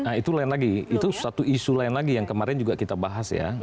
nah itu lain lagi itu satu isu lain lagi yang kemarin juga kita bahas ya